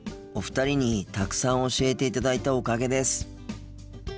お二人にたくさん教えていただいたおかげです。